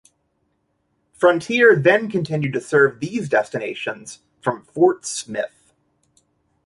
Frontier then continued to serve these destinations from Fort Smith.